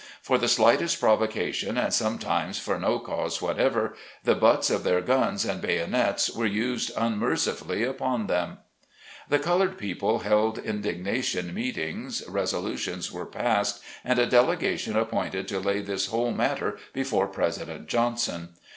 For the slightest provocation, and sometimes for no cause whatever, the butts of their guns and bayonets were used unmercifully upon them. AN A VIRGINIA PULPIT. 61 The colored people held indignation meetings, resolutions were passed, and a delegation appointed to lay this whole matter before President Johnson.